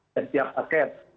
dan tiap paket